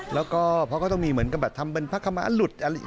แล้วก็เพราะก็ต้องมีเหมือนกับทำเป็นภาคมะหลุด